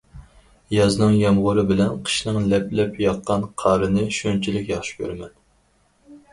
يازنىڭ يامغۇرى بىلەن قىشنىڭ لەپ- لەپ ياغقان قارىنى شۇنچىلىك ياخشى كۆرىمەن.